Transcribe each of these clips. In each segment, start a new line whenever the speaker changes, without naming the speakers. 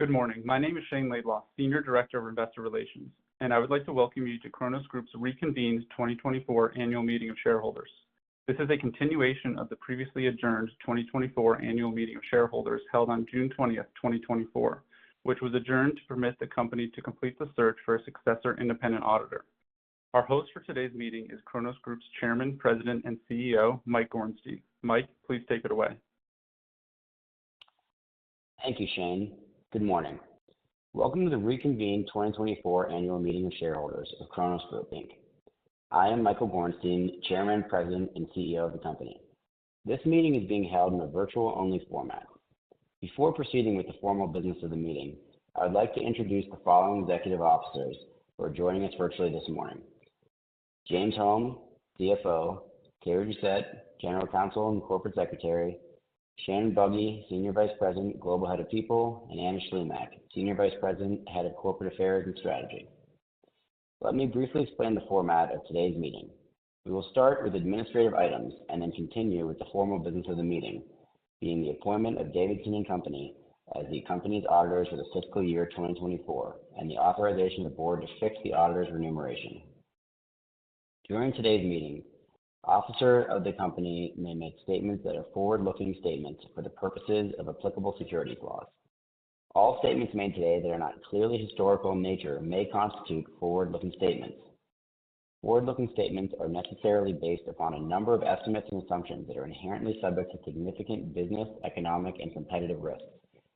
Good morning. My name is Shayne Laidlaw, Senior Director of Investor Relations, and I would like to welcome you to Cronos Group's reconvened 2024 annual meeting of shareholders. This is a continuation of the previously adjourned 2024 annual meeting of shareholders, held on June 20, 2024, which was adjourned to permit the company to complete the search for a successor independent auditor. Our host for today's meeting is Cronos Group's Chairman, President, and CEO, Mike Gorenstein. Mike, please take it away.
Thank you, Shayne. Good morning. Welcome to the reconvened 2024 Annual Meeting of Shareholders of Cronos Group Inc. I am Michael Gorenstein, Chairman, President, and CEO of the company. This meeting is being held in a virtual-only format. Before proceeding with the formal business of the meeting, I would like to introduce the following executive officers who are joining us virtually this morning: James Holm, CFO; Terry Doucet, General Counsel and Corporate Secretary; Shannon Buggy, Senior Vice President, Global Head of People; and Anna Shlimak, Senior Vice President, Head of Corporate Affairs and Strategy. Let me briefly explain the format of today's meeting. We will start with administrative items and then continue with the formal business of the meeting, being the appointment of Davidson & Company as the company's auditors for the fiscal year 2024, and the authorization of the board to fix the auditor's remuneration. During today's meeting, officers of the company may make statements that are forward-looking statements for the purposes of applicable securities laws. All statements made today that are not clearly historical in nature may constitute forward-looking statements. Forward-looking statements are necessarily based upon a number of estimates and assumptions that are inherently subject to significant business, economic and competitive risks,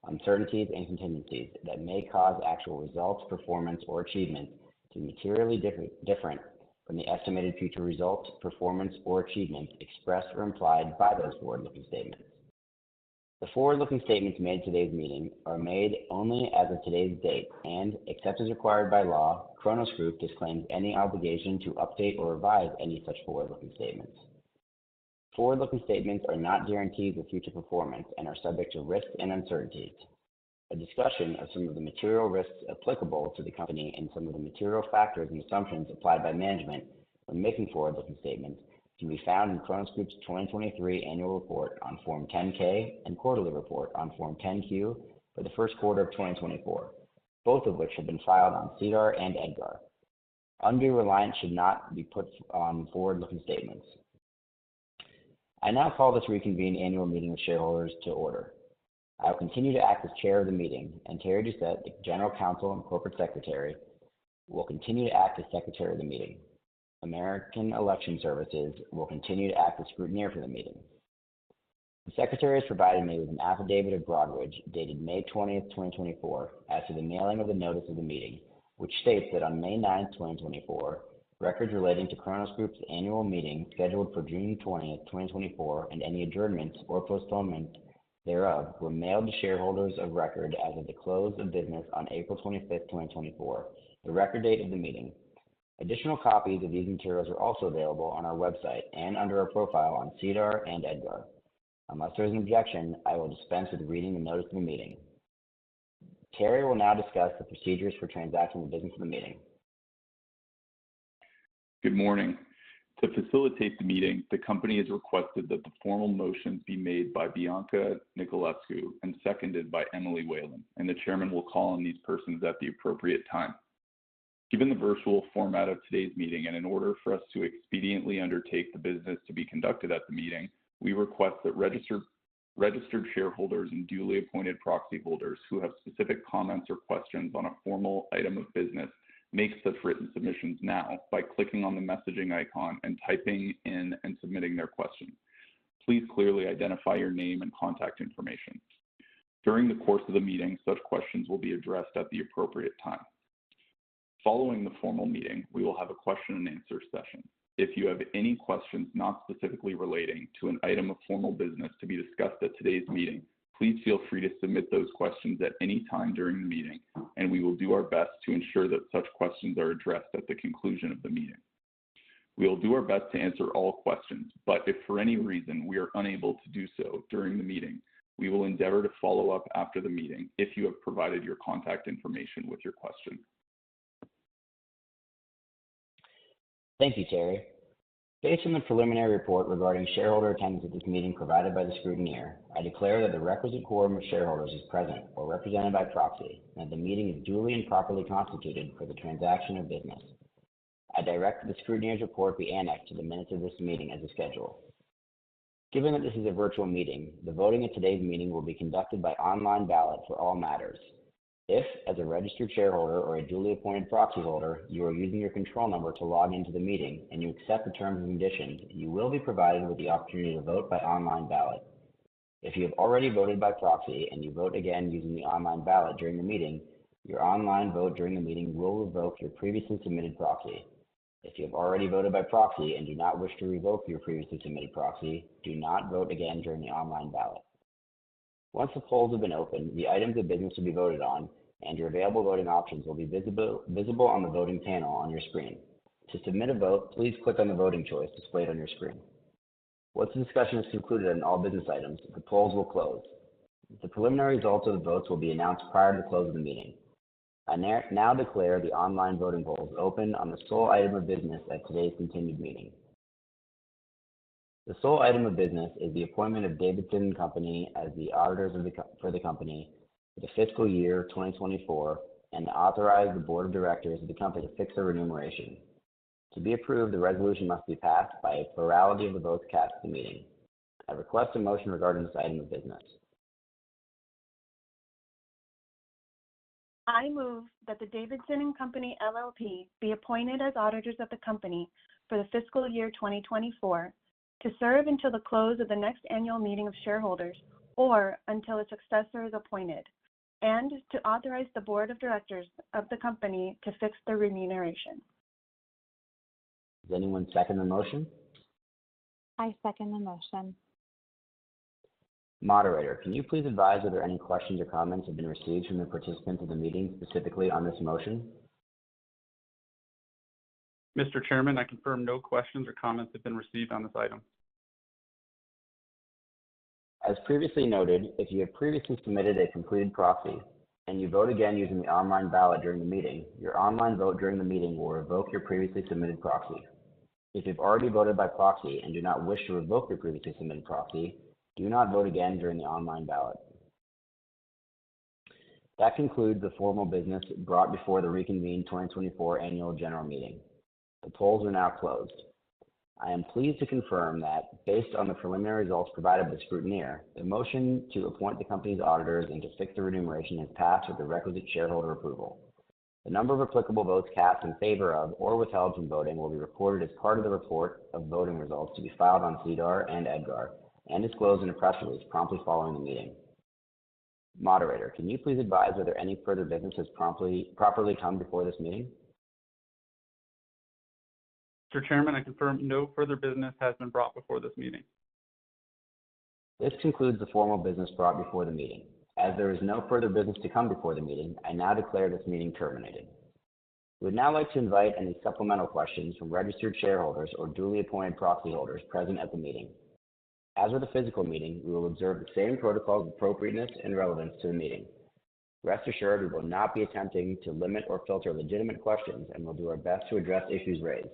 uncertainties, and contingencies that may cause actual results, performance, or achievement to be materially different, different from the estimated future results, performance, or achievement expressed or implied by those forward-looking statements. The forward-looking statements made at today's meeting are made only as of today's date, and except as required by law, Cronos Group disclaims any obligation to update or revise any such forward-looking statements. Forward-looking statements are not guarantees of future performance and are subject to risks and uncertainties. A discussion of some of the material risks applicable to the company and some of the material factors and assumptions applied by management when making forward-looking statements can be found in Cronos Group's 2023 Annual Report on Form 10-K and Quarterly Report on Form 10-Q for the first quarter of 2024, both of which have been filed on SEDAR and EDGAR. Undue reliance should not be put on forward-looking statements. I now call this reconvened annual meeting of shareholders to order. I will continue to act as Chair of the meeting, and Terry Doucet, the General Counsel and Corporate Secretary, will continue to act as Secretary of the meeting. American Election Services will continue to act as scrutineer for the meeting. The Secretary has provided me with an affidavit of Broadridge, dated May 20, 2024, as to the mailing of the notice of the meeting, which states that on May 9, 2024, records relating to Cronos Group's annual meeting, scheduled for June 20, 2024, and any adjournment or postponement thereof, were mailed to shareholders of record as of the close of business on April 25, 2024, the record date of the meeting. Additional copies of these materials are also available on our website and under our profile on SEDAR and EDGAR. Unless there is an objection, I will dispense with reading the notice of the meeting. Terry will now discuss the procedures for transacting the business of the meeting.
Good morning. To facilitate the meeting, the company has requested that the formal motions be made by Bianca Nicolescu and seconded by Emily Whalen, and the chairman will call on these persons at the appropriate time. Given the virtual format of today's meeting, and in order for us to expediently undertake the business to be conducted at the meeting, we request that registered shareholders and duly appointed proxy holders who have specific comments or questions on a formal item of business make such written submissions now by clicking on the messaging icon and typing in and submitting their question. Please clearly identify your name and contact information. During the course of the meeting, such questions will be addressed at the appropriate time. Following the formal meeting, we will have a question and answer session. If you have any questions not specifically relating to an item of formal business to be discussed at today's meeting, please feel free to submit those questions at any time during the meeting, and we will do our best to ensure that such questions are addressed at the conclusion of the meeting. We will do our best to answer all questions, but if for any reason we are unable to do so during the meeting, we will endeavor to follow up after the meeting if you have provided your contact information with your question.
Thank you, Terry. Based on the preliminary report regarding shareholder attendance at this meeting provided by the scrutineer, I declare that the requisite quorum of shareholders is present or represented by proxy, and the meeting is duly and properly constituted for the transaction of business. I direct the scrutineer's report be annexed to the minutes of this meeting as a schedule. Given that this is a virtual meeting, the voting at today's meeting will be conducted by online ballot for all matters. If, as a registered shareholder or a duly appointed proxy holder, you are using your control number to log into the meeting, and you accept the terms and conditions, you will be provided with the opportunity to vote by online ballot. If you have already voted by proxy and you vote again using the online ballot during the meeting, your online vote during the meeting will revoke your previously submitted proxy. If you have already voted by proxy and do not wish to revoke your previously submitted proxy, do not vote again during the online ballot. Once the polls have been opened, the items of business to be voted on and your available voting options will be visible, visible on the voting panel on your screen. To submit a vote, please click on the voting choice displayed on your screen. Once the discussion is concluded on all business items, the polls will close. The preliminary results of the votes will be announced prior to the close of the meeting. I now declare the online voting polls open on the sole item of business at today's continued meeting. The sole item of business is the appointment of Davidson & Company as the auditors of the company for the fiscal year 2024, and to authorize the board of directors of the company to fix their remuneration. To be approved, the resolution must be passed by a plurality of the votes cast at the meeting. I request a motion regarding this item of business.
I move that the Davidson & Company LLP be appointed as auditors of the company for the fiscal year 2024, to serve until the close of the next annual meeting of shareholders or until a successor is appointed, and to authorize the board of directors of the company to fix their remuneration.
Does anyone second the motion?
I second the motion.
Moderator, can you please advise whether any questions or comments have been received from the participants of the meeting, specifically on this motion?
Mr. Chairman, I confirm no questions or comments have been received on this item.
As previously noted, if you have previously submitted a completed proxy and you vote again using the online ballot during the meeting, your online vote during the meeting will revoke your previously submitted proxy. If you've already voted by proxy and do not wish to revoke your previously submitted proxy, do not vote again during the online ballot. That concludes the formal business brought before the reconvened 2024 annual general meeting. The polls are now closed. I am pleased to confirm that based on the preliminary results provided by the scrutineer, the motion to appoint the company's auditors and to fix the remuneration has passed with the requisite shareholder approval. The number of applicable votes cast in favor of or withheld from voting will be recorded as part of the report of voting results to be filed on SEDAR and EDGAR, and disclosed in a press release promptly following the meeting. Moderator, can you please advise whether any further business has properly come before this meeting?
Mr. Chairman, I confirm no further business has been brought before this meeting.
This concludes the formal business brought before the meeting. As there is no further business to come before the meeting, I now declare this meeting terminated. We'd now like to invite any supplemental questions from registered shareholders or duly appointed proxy holders present at the meeting. As with the physical meeting, we will observe the same protocols, appropriateness, and relevance to the meeting. Rest assured, we will not be attempting to limit or filter legitimate questions, and we'll do our best to address issues raised.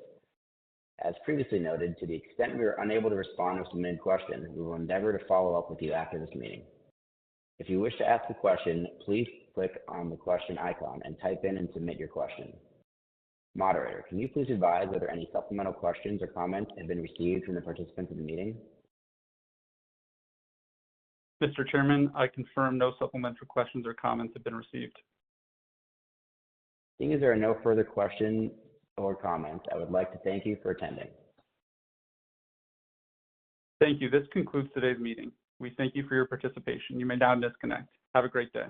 As previously noted, to the extent we are unable to respond to a submitted question, we will endeavor to follow up with you after this meeting. If you wish to ask a question, please click on the question icon and type in and submit your question. Moderator, can you please advise whether any supplemental questions or comments have been received from the participants of the meeting?
Mr. Chairman, I confirm no supplemental questions or comments have been received.
Seeing as there are no further questions or comments, I would like to thank you for attending.
Thank you. This concludes today's meeting. We thank you for your participation. You may now disconnect. Have a great day.